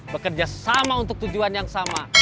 bekerja sama untuk tujuan yang sama